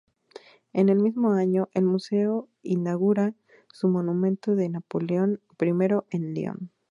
En el mismo año, el museo inaugura su monumento de Napoleón I en Lyon.